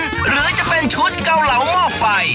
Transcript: หรือจะเป็นชุดเกาเหลาหม้อไฟ